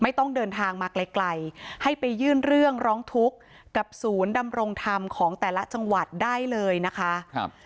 ไม่ต้องเดินทางมาไกลให้ไปยื่นเรื่องร้องทุกข์กับศูนย์ดำรงธรรมของแต่ละจังหวัดได้เลยนะคะ